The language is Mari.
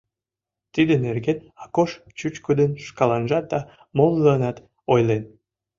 Тидын нерген Акош чӱчкыдын шкаланжат да молыланат ойлен.